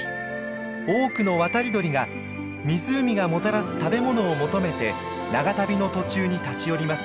多くの渡り鳥が湖がもたらす食べ物を求めて長旅の途中に立ち寄ります。